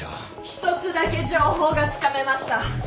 ・１つだけ情報がつかめました。